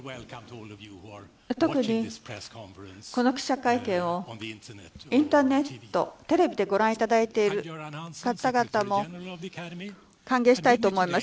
特に、この記者会見をインターネット、テレビで御覧いただいている方々も歓迎したいと思います。